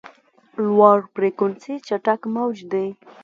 لوړ فریکونسي چټک موج دی.